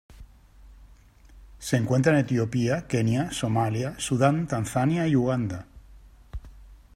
Se encuentra en Etiopía, Kenia Somalia, Sudán Tanzania y Uganda.